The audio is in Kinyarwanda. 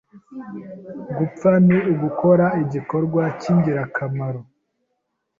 Gupfa ni ugukora igikorwa cyingirakamaro